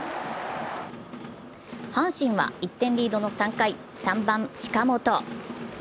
阪神は１点リードの３回３番・近本。